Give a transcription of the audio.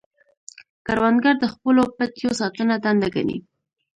کروندګر د خپلو پټیو ساتنه دنده ګڼي